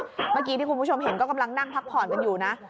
เมื่อกี้ที่คุณผู้ชมเห็นก็กำลังนั่งพักผ่อนกันอยู่นะ